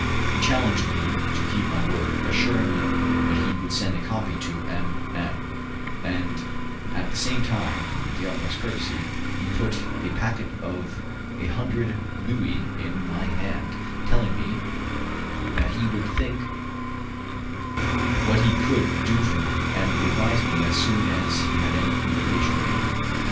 He challenged me to keep my word, assuring me that he would send a copy to M M , and at the same time, with the utmost courtesy, he put a packet of a hundred Louis in my hand, telling me that he would think what he could do for me, and would advise me as soon as he had any communication to make.